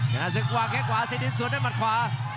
ลุกขึ้นมา